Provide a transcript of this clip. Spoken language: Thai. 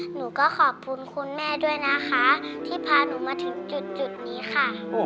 หนูก็ขอบคุณคุณแม่ด้วยนะคะที่พาหนูมาถึงจุดนี้ค่ะ